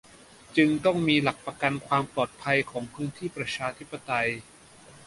จึงต้องมีหลักประกันความปลอดภัยของพื้นที่ประชาธิปไตย